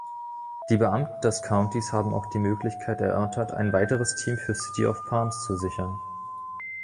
Die Beamten des Countys haben auch die Möglichkeit erörtert, ein weiteres Team für City of Palms zu sichern.